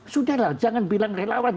sudahlah jangan bilang relawan